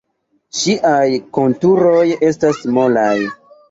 Ŝiaj konturoj estas molaj.